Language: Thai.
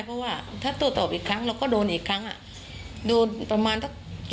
เพราะว่าถ้าตัวตอบอีกครั้งเราก็โดนอีกครั้งโดนประมาณสัก